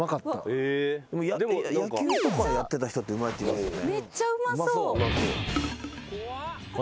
野球とかやってた人ってうまいっていいますよね。